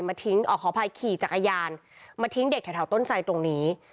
มาทิ้งออกขอภัยขี่จากอายานมาทิ้งเด็กแถวต้นไส้ตรงนี้